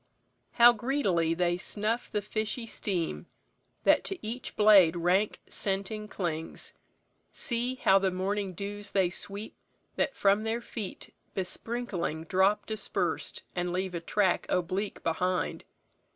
"How greedily They snuff the fishy steam, that to each blade Rank scenting clings! See! how the morning dews They sweep, that from their feet besprinkling drop Dispersed, and leave a track oblique behind.